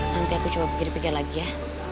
nanti aku coba pikir pikir lagi ya